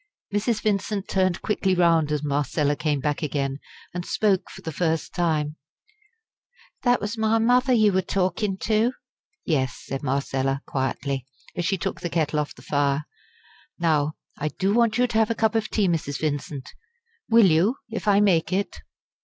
Mrs. Vincent turned quickly round as Marcella came back again, and spoke for the first time: "That was my mother you were talkin' to?" "Yes," said Marcella, quietly, as she took the kettle off the fire. "Now I do want you to have a cup of tea, Mrs. Vincent. Will you, if I make it?"